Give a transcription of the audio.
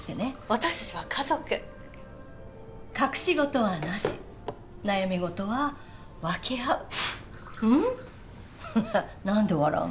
私達は家族隠し事はなし悩み事は分け合うふっうん？